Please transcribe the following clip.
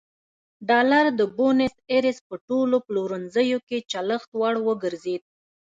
ډالر د بونیس ایرس په ټولو پلورنځیو کې چلښت وړ وګرځېد.